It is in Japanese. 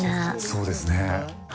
そうですね。